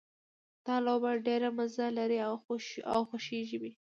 دا لوبه ډېره مزه لري او خوښیږي مې